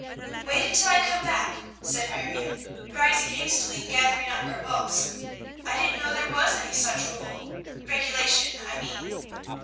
"Wait until I come back," said Marion, rising hastily, and gathering up her books. "I didn't know there was any such a rule regulation, I mean."